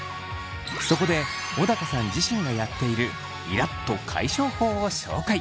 そこで小高さん自身がやっているイラっと解消法を紹介。